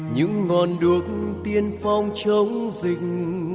những ngọn đuốc tiên phong trống rình